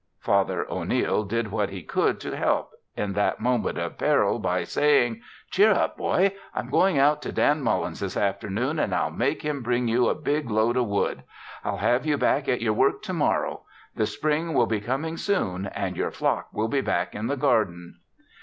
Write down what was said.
Father O'Neil did what he could to help in that moment of peril by saying: "Cheer up, boy. I'm going out to Dan Mullin's this afternoon and I'll make him bring you a big load of wood. I'll have you back at your work to morrow. The spring will be coming soon and your flock will be back in the garden."